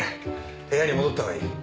部屋に戻ったほうがいい。